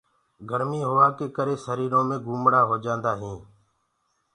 گرمي هوآ ڪي ڪري ڦوڙآ نِڪݪدآ هينٚ۔